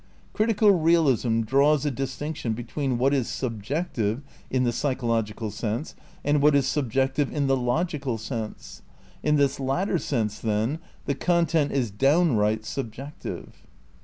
Critical realism draws a distinction between what is subjective in the psychological sense and what is sub jective in the logical sense. In this latter sense, then, the content is downright subjective.